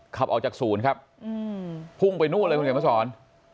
อ๋อขับออกจากศูนย์ครับฟุ่งไปเนี่ยนั่นเลยคุณเศษฐร